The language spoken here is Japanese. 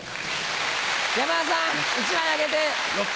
山田さん１枚あげて。